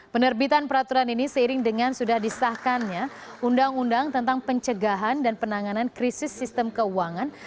penerbitan peraturan ini seiring dengan sudah disahkannya undang undang tentang pencegahan dan penanganan krisis sistem keuangan